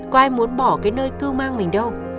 có ai muốn bỏ cái nơi cư mang mình đâu